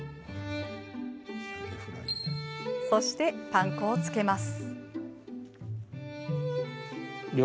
そして、パン粉を付けます。